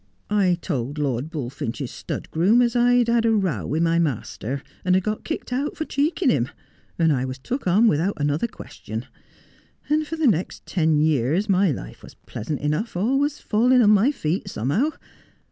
I told Lord Bullfinch's stud groom as I'd had a row with my master, and had got kicked out for cheeking him, and I was took on without another question ; and for the next ten years my life was pleasant enough, always falling on my feet somehow.